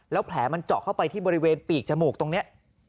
แล้วแผลมันเจาะเข้าไปที่บริเวณปีกจมูกตรงนี้